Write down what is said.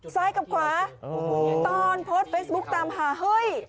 ซ้ายกับขวาตอนโพสต์เฟซบุ๊คตามหาเฮ้ย